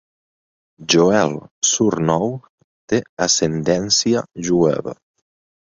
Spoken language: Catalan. Joel Surnow té ascendència jueva.